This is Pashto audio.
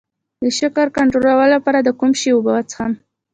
د شکر کنټرول لپاره د کوم شي اوبه وڅښم؟